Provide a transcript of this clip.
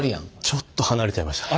ちょっと離れちゃいましたね。